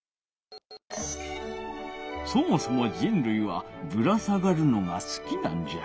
そもそも人るいはぶら下がるのがすきなんじゃ。